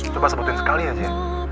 coba sebutin sekali aja